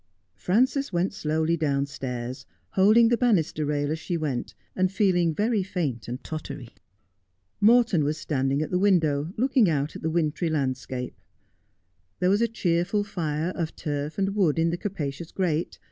Frances went slowly downstairs, holding the banister rail as she went, and feeling very faint and tottery. Morton was stand ing at the window, looking out at the wintry landscape. There was a cheerful fire of turf and wood in the capacious grate.